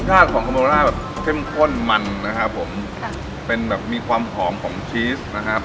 รสชาติของคาโบร่าแบบเข้มข้นมันนะครับผมค่ะเป็นแบบมีความหอมของชีสนะครับ